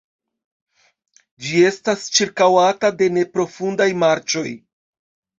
Ĝi estas ĉirkaŭata de neprofundaj marĉoj.